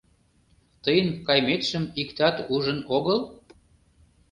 — Тыйын кайметшым иктат ужын огыл?